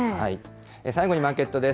最後にマーケットです。